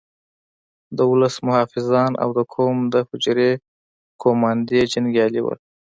د ولس محافظان او د قوم د حجرې قوماندې جنګیالي وو.